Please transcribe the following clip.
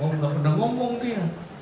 oh tidak pernah ngomong dia